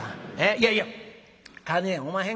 いやいや金やおまへんがな。